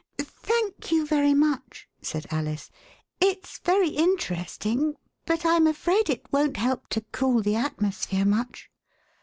Thank you very much," said Alice; it s very interesting, but Tm afraid it won't help to cool the atmosphere much."